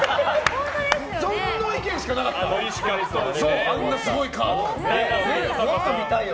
そんな意見しかなかったよ。